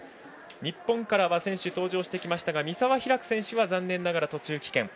日本から選手が登場してきましたが三澤拓選手は残念ながら途中棄権。